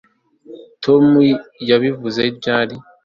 tom yabivuze ryari